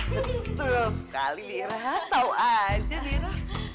tentu sekali bira tau aja bira